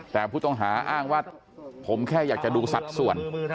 แต่ผู้ต้องหาอ้างว่าผมแค่อยากจะดูสัดส่วน